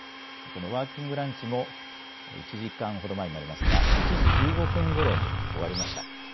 このワーキングランチも、１時間ほど前になりますが、１時１５分ごろに終わりました。